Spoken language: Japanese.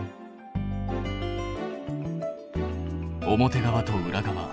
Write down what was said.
表側と裏側。